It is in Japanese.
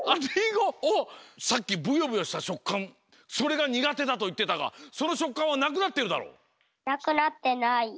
さっきブヨブヨしたしょっかんそれがにがてだといってたがそのしょっかんはなくなってるだろ？